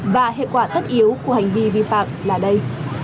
và hệ quả tất yếu của hành vi vi phạm là đây